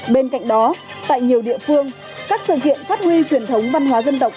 bên cạnh đó tại nhiều địa phương các sự kiện phát huy truyền thống văn hóa dân tộc